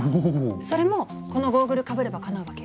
それもこのゴーグルかぶればかなうわけ？